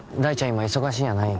今忙しいんやないん？